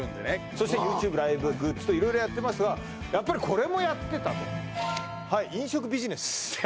そしてＹｏｕＴｕｂｅライブグッズと色々やってますがやっぱりこれもやってたとはい飲食ビジネス